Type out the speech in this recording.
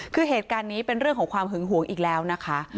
คือเหตุการณ์นี้เป็นเรื่องของความหึงหวงอีกแล้วนะคะ